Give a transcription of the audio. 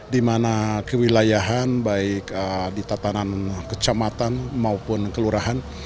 di mana kewilayahan baik di tatanan kecamatan maupun kelurahan